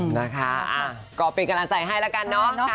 นะคะก็เป็นกำลังใจให้ละกันน้องค่ะ